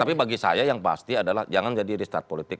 tapi bagi saya yang pasti adalah jangan jadi restart politik